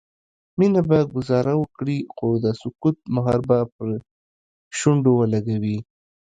مينه به ګذاره وکړي خو د سکوت مهر به پر شونډو ولګوي